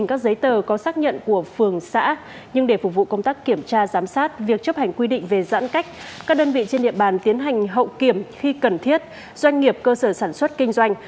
các đơn vị trên địa bàn tiến hành hậu kiểm khi cần thiết doanh nghiệp cơ sở sản xuất kinh doanh